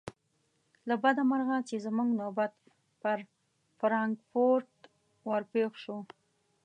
له بده مرغه چې زموږ نوبت پر فرانکفورت ور پیښ شو.